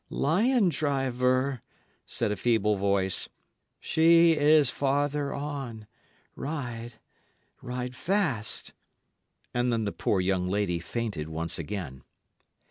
lion driver!" said a feeble voice. "She is farther on. Ride ride fast!" And then the poor young lady fainted once again.